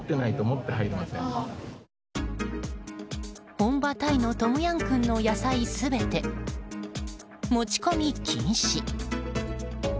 本場タイのトムヤムクンの野菜全て持ち込み禁止。